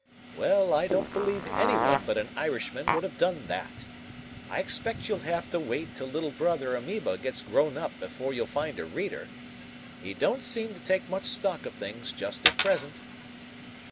"Well, I don't believe anyone but an Irishman would have done that. I expect you'll have to wait till little brother amoeba gets grown up before you'll find a reader. He don't seem to take much stock of things just at present.